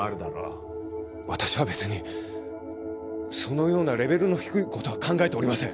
私は別にそのようなレベルの低い事は考えておりません。